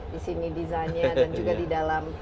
di sini desainnya dan juga di dalam